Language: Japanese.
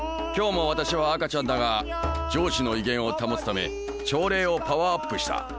今日も私は赤ちゃんだが上司の威厳を保つため朝礼をパワーアップした。